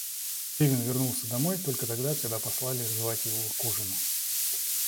Левин вернулся домой только тогда, когда послали звать его к ужину.